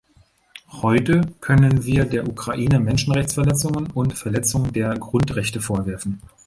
Heute können wir der Ukraine Menschenrechtsverletzungen und Verletzung der Grundrechte vorwerfen.